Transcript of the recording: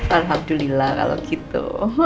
alhamdulillah kalau gitu